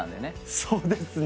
そうですね。